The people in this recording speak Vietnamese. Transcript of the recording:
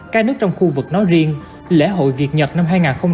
các nước trong khu vực nói riêng lễ hội việt nhật năm hai nghìn hai mươi bốn